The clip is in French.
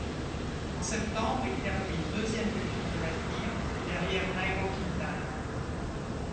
En septembre, il termine deuxième du Tour de l'Avenir derrière Nairo Quintana.